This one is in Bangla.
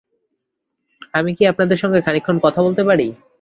আমি কি আপনার সঙ্গে খানিকক্ষণ কথা বলতে পারি?